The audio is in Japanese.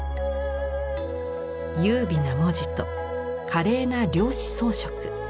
優美な文字と華麗な料紙装飾。